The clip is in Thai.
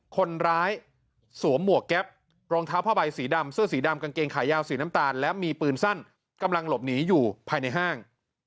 คนร้ายสวมหมวกแก๊ปรองเท้าผ้าใบสีดำเสื้อสีดำกางเกงขายาวสีน้ำตาลและมีปืนสั้นกำลังหลบหนีอยู่ภายในห้าง